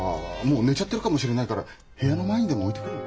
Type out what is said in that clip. もう寝ちゃってるかもしれないから部屋の前にでも置いてくる。